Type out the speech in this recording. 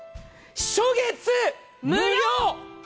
初月無料！！